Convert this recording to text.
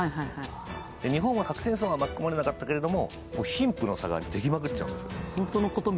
日本は核戦争には巻き込まれなかったけど、貧富の差ができまくっちゃうんですよ。